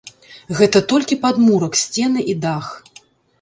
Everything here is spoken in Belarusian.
Гэта толькі падмурак, сцены і дах.